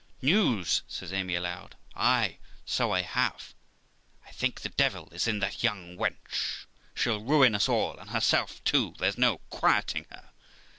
'News', says Amy aloud; 'ay, so I have; I think the d 1 is in that young wench. She'll ruin us all and herself too; there's no quieting her.'